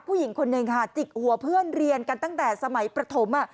ผู้หญิงคนหนึ่งค่ะจิกหัวเพื่อนเรียนกันตั้งแต่สมัยประถม